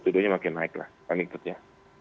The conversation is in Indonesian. jadi judulnya makin naik lah magnitudo nya